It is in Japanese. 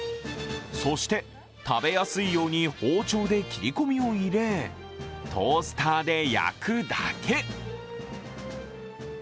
そして食べやすいように包丁で切り込みを入れトースターで焼くだけ。